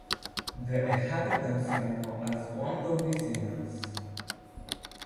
The inhabitants are known as "Longoviciens".